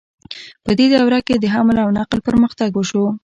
په دې دوره کې د حمل او نقل پرمختګ وشو.